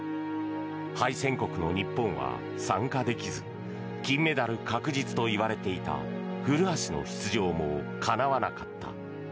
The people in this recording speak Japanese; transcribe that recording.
敗戦国の日本は参加できず金メダル確実と言われていた古橋の出場もかなわなかった。